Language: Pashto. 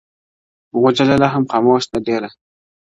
غوجله لا هم خاموشه ده ډېر-